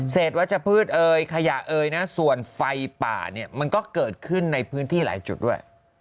วัชพืชเอ่ยขยะเอยนะส่วนไฟป่าเนี่ยมันก็เกิดขึ้นในพื้นที่หลายจุดด้วย